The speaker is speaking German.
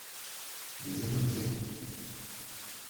Wir sind umzingelt.